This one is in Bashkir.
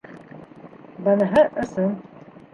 Быныһы ысын.